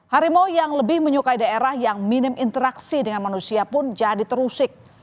harimau yang lebih menyukai daerah yang minim interaksi dengan manusia pun jadi terusik